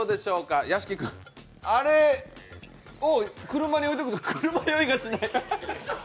あれを車に置いておくと車酔いがしない。